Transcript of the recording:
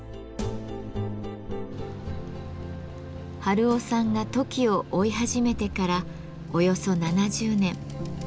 春雄さんがトキを追い始めてからおよそ７０年。